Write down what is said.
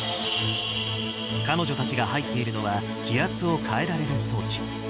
彼女たちが入っているのは、気圧を変えられる装置。